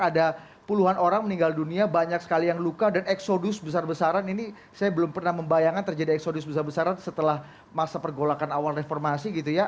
ada puluhan orang meninggal dunia banyak sekali yang luka dan eksodus besar besaran ini saya belum pernah membayangkan terjadi eksodus besar besaran setelah masa pergolakan awal reformasi gitu ya